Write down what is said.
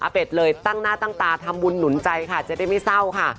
เป็ดเลยตั้งหน้าตั้งตาทำบุญหนุนใจค่ะจะได้ไม่เศร้าค่ะ